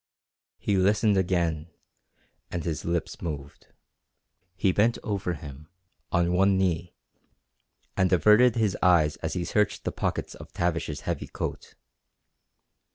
He listened again, and his lips moved. He bent over him, on one knee, and averted his eyes as he searched the pockets of Tavish's heavy coat.